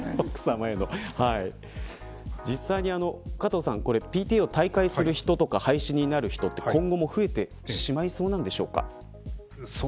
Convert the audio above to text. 実際に、加藤さんＰＴＡを退会する人とか廃止という動きは増えてしまいそうなんでしょうか。